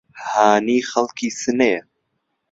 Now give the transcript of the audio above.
هانی خەڵکی سنەیە